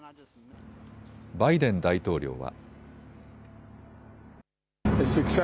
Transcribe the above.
バイデン大統領は。